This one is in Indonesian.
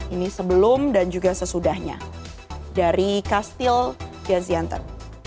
ini sebelum dan juga sesudahnya dari kastil gazianton